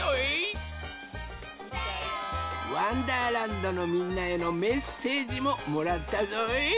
どのみんなへのメッセージももらったぞい。